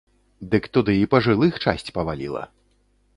Дык туды і пажылых часць паваліла.